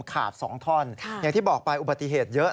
ขาด๒ท่อนอย่างที่บอกไปอุบัติเหตุเยอะ